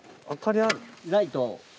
・ライト。